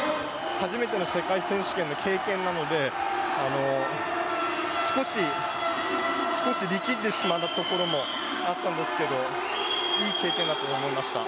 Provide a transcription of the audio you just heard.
初めての世界選手権の経験なので少し力んでしまったところもあったんですけどいい経験になったと思いました。